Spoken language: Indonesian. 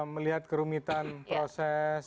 melihat kerumitan proses